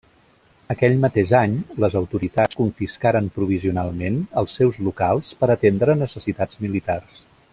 Aquell mateix any les autoritats confiscaren provisionalment els seus locals per atendre necessitats militars.